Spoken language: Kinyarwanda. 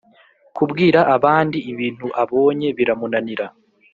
kubwira abandi ibintu abonye biramunanira,